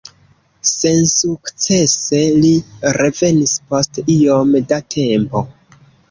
Sensukcese li revenis post iom da tempo.